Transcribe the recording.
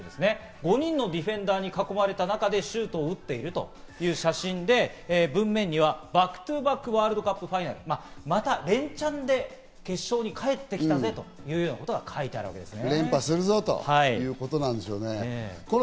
５人のディフェンダーに囲まれた中でシュートを打っているという写真で文面には「ＢＡＣＫＴＯＢＡＣＫＷＯＲＬＤＣＵＰＦＩＮＡＬ」、連チャンで決勝に帰ってきたぜ！ということが書いてあるんですね。